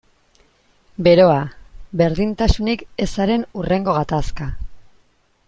Beroa, berdintasunik ezaren hurrengo gatazka.